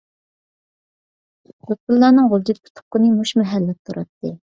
لۇتپۇللانىڭ غۇلجىدىكى تۇغقىنى مۇشۇ مەھەللىدە تۇراتتى.